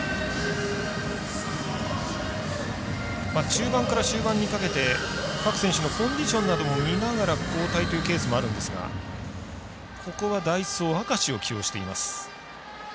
中盤から終盤にかけて各選手のコンディションなども見ながら交代というケースもあるんですがここは代走明石を起用しています。